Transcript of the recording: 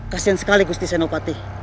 kasian sekali gusti senopati